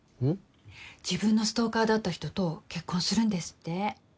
自分のストーカーだった人と結婚するんですって。